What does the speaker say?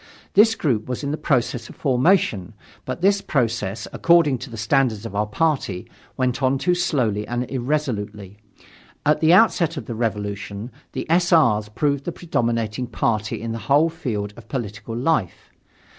This group was in the process of formation, but this process, according to the standards of our party, went on too slowly and irresolutely. At the outset of the Revolution, the S. R.'s proved the predominating party in the whole field of political life.